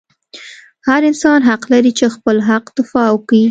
هر انسان حق لري چې خپل حق دفاع وکي